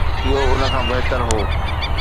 اهو ان کان بهتر هو.